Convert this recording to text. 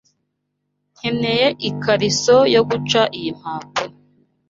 Nkeneye ikariso yo guca iyi mpapuro.